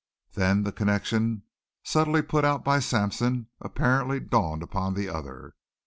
Then the connection subtly put out by Sampson apparently dawned upon the other.